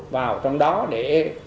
vào trong đó để